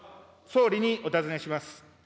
総理にお尋ねします。